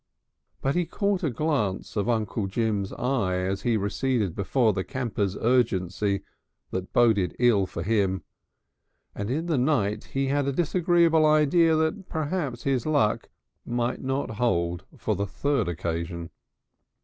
But he caught a glance of Uncle Jim's eye as he receded before the campers' urgency that boded ill for him, and in the night he had a disagreeable idea that perhaps his luck might not hold for the third occasion.